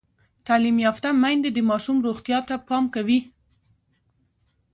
تعلیم یافته میندې د ماشوم روغتیا ته پام کوي۔